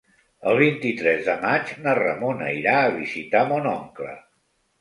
El vint-i-tres de maig na Ramona irà a visitar mon oncle.